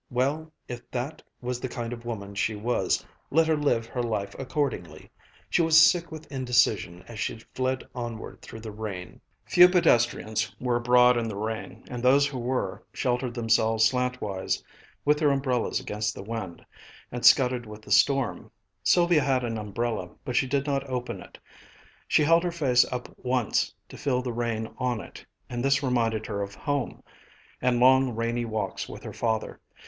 Well, if that was the kind of woman she was, let her live her life accordingly. She was sick with indecision as she fled onward through the rain. Few pedestrians were abroad in the rain, and those who were, sheltered themselves slant wise with their umbrellas against the wind, and scudded with the storm. Sylvia had an umbrella, but she did not open it. She held her face up once, to feel the rain fall on it, and this reminded her of home, and long rainy walks with her father.